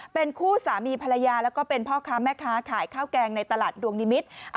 เป็นคู่สามีภรรยาแล้วก็เป็นพ่อค้าแม่ค้าขายข้าวแกงในตลาดดวงนิมิตร